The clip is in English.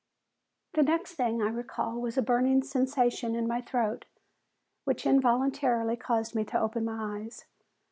The next thing I recall was a burning sensation in my throat, which involuntarily caused me to open my eyes.